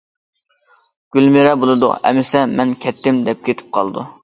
گۈلمىرە-بولىدۇ ئەمىسە مەن كەتتىم دەپ كېتىپ قالىدۇ.